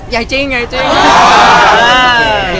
ใหญ่จริงใหญ่จริง